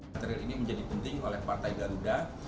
material ini menjadi penting oleh partai garuda